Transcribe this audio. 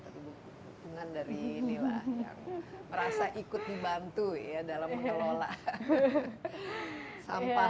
tapi dukungan dari inilah yang merasa ikut dibantu ya dalam mengelola sampah